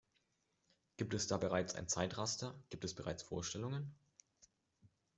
Gibt es da bereits ein Zeitraster, gibt es bereits Vorstellungen?